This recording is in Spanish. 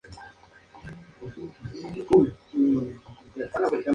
Habita en las Islas Vírgenes.